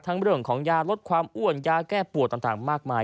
เรื่องของยาลดความอ้วนยาแก้ปวดต่างมากมาย